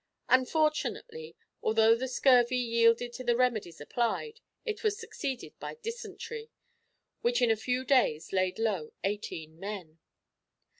Unfortunately, although the scurvy yielded to the remedies applied, it was succeeded by dysentery, which in a few days laid low eighteen men.